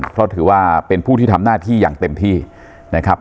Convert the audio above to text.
เพราะถือว่าเป็นผู้ที่ทำหน้าที่อย่างเต็มที่นะครับ